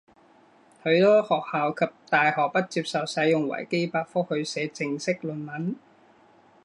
许多学校及大学不接受使用维基百科去写正式论文。